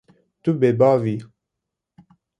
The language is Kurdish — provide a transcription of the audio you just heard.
Tu bêbav î.